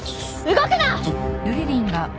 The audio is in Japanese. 動くな！